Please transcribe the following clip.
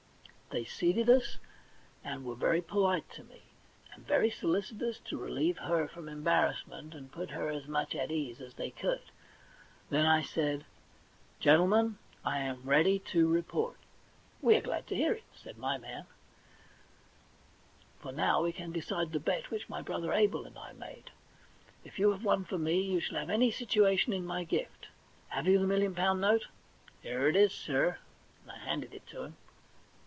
They seated us, and were very polite to me, and very solicitous to relieve her from embarrassment, and put her as much at her ease as they could. Then I said :* Gentlemen, I am ready to report.' * We are glad to hear it,' said my man, *for now we can decide the bet which my brother Abel and I made. If you have won for me, you shall have any situation in my gift. Have you the million pound note ?'* Here it is, sir,' and I handed it to him.